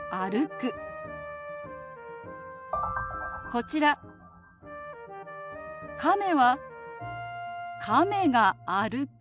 こちら亀は「亀が歩く」。